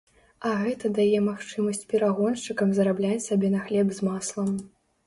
А гэта дае магчымасць перагоншчыкам зарабляць сабе на хлеб з маслам.